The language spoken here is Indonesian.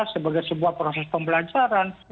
sebagai sebuah proses pembelajaran